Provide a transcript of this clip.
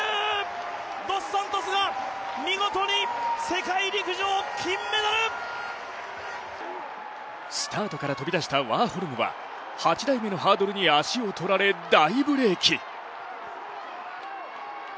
ドス・サントスが見事に世界陸上金メダル！スタートから飛び出したワーホルムは８台めのハードルに足をとられ大ブレーキ。